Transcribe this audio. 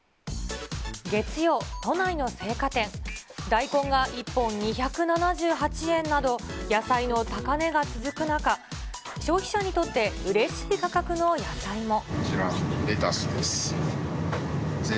大根が１本２７８円など、野菜の高値が続く中、消費者にとってうれしい価格の野菜も。